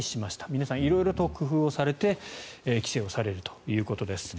皆さん、色々と工夫されて帰省されるということです。